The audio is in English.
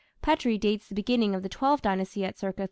Petrie dates the beginning of the Twelfth Dynasty at c.